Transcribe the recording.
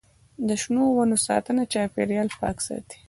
د شنو ونو ساتنه چاپیریال پاک ساتي.